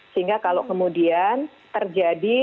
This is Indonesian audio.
sehingga kalau kemudian terjadi